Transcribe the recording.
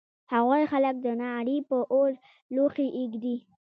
هغوی خلک د نغري په اور لوښي اېږدي